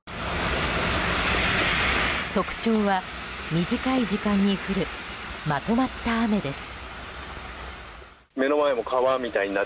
特徴は、短い時間に降るまとまった雨です。